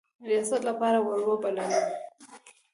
ریاست لپاره وروبللم.